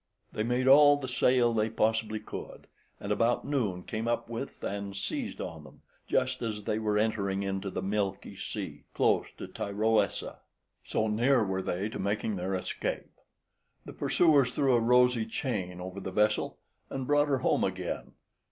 They made all the sail they possibly could, and about noon came up with and seized on them, just as they were entering into the Milky Sea, close to Tyroessa; so near were they to making their escape. The pursuers threw a rosy chain over the vessel and brought her home again.